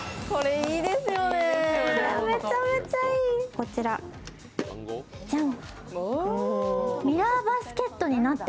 こちら、ジャン！